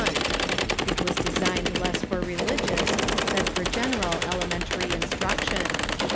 It was designed less for religious than for general elementary instruction.